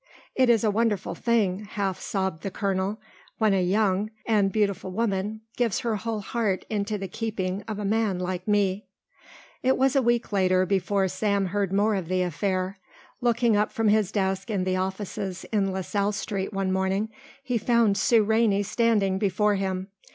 "It is a wonderful thing," half sobbed the colonel, "when a young and beautiful woman gives her whole heart into the keeping of a man like me." It was a week later before Sam heard more of the affair. Looking up from his desk in the offices in LaSalle Street one morning, he found Sue Rainey standing before him.